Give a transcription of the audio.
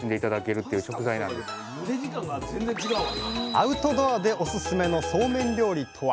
アウトドアでオススメのそうめん料理とは？